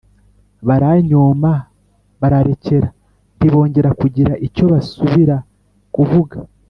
baranyoma bararekera ntibongera kugira icyo basubira kuvuga.